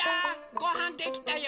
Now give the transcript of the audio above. ごはんできたよ！